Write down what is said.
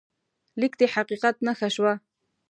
لیک د حقیقت نښه شوه.